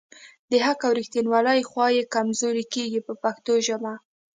د حق او ریښتیولۍ خوا یې کمزورې کیږي په پښتو ژبه.